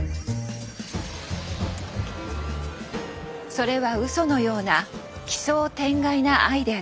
それはうそのような奇想天外なアイデアでした。